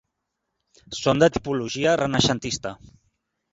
Són de tipologia renaixentista.